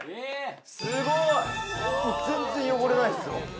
すごい！全然汚れないっすよ・